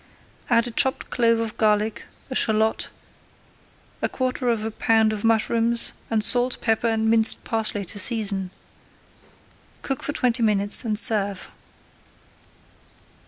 Add a chopped clove of garlic, a shallot, a quarter of a pound of mushrooms, and salt, pepper, and minced parsley to season. Cook for twenty minutes and serve.